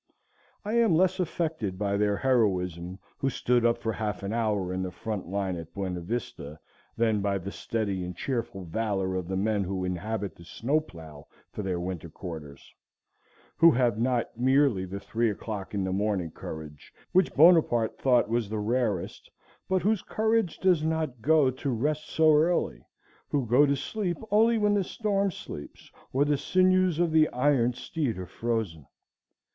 I am less affected by their heroism who stood up for half an hour in the front line at Buena Vista, than by the steady and cheerful valor of the men who inhabit the snow plough for their winter quarters; who have not merely the three o' clock in the morning courage, which Bonaparte thought was the rarest, but whose courage does not go to rest so early, who go to sleep only when the storm sleeps or the sinews of their iron steed are frozen.